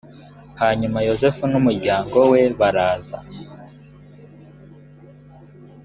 hanyuma yozefu n’umuryango we baraza